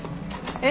えっ？